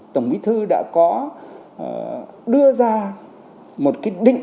tổng bí thư đã có đưa ra một cái định